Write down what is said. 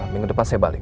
minggu depan saya balik